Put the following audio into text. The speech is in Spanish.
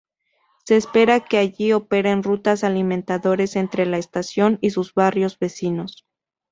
Se espera que allí operen rutas alimentadores entre la estación y sus barrios vecinos.